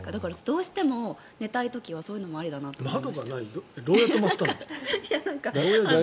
どうしても寝たい時はそういうのもありだなと思います。